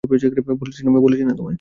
বলেছি না তোমায়?